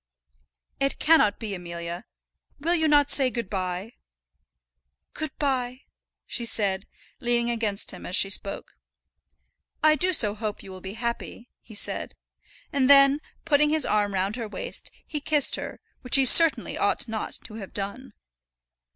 "It cannot be, Amelia. Will you not say good by?" "Good by," she said, leaning against him as she spoke. "I do so hope you will be happy," he said. And then, putting his arm round her waist, he kissed her; which he certainly ought not to have done.